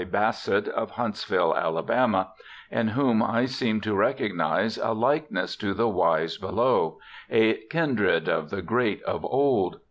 Bassett, of Huntsville, Alabama, in whom I seemed to recognize a 'likeness to the wise below', a 'kindred with the great of old'.